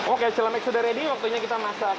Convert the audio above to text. oke celemek sudah ready waktunya kita masak